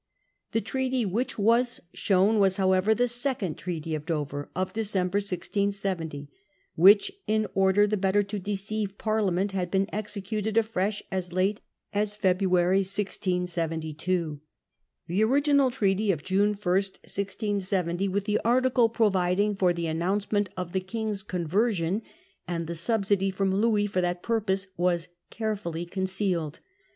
* The treaty which was shown was however the second Treaty of Dover, of December 1670, which, in order the better to deceive Parliament, had been executed afresh as late as 1 674 * Shaftesbury in Opposition. 227 February 1672. The original treaty of June 1, 1670, with the article providing for the announcement of the King's conversion an A the subsidy from Louis for that purpose, was carefully concealed.